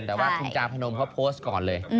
แต่ว่าคุณจาพนมเขาโพสต์ก่อนเลย